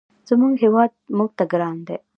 زموږ هېواد موږ ته ګران دی.